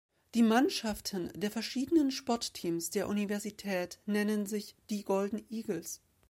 Die Mannschaften der verschiedenen Sportteams der Universität nennen sich die „Golden-Eagles“.